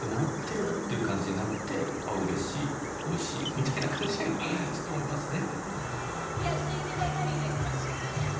みたいな感じにはちょっと思いますね。